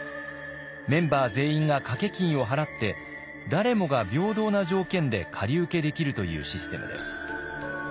メンバー全員が掛金を払って誰もが平等な条件で借り受けできるというシステムです。